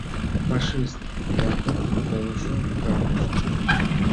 Фашист-влакын колышо капышт...